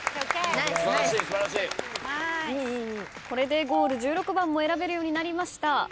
これでゴール１６番も選べるようになりました。